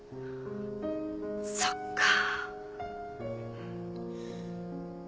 そっか。